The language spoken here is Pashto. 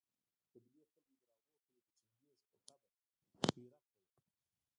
د قبېلې خلکو تر هغو پوري د چنګېز په قبر پهره کوله